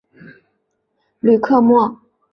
吕克莫。